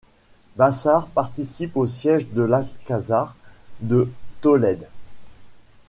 Bassart participe au siège de l'Alcázar de Tolède.